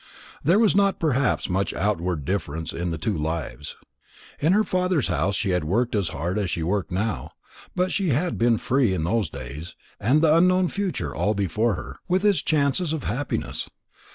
There was not perhaps much outward difference in the two lives. In her father's house she had worked as hard as she worked now; but she had been free in those days, and the unknown future all before her, with its chances of happiness.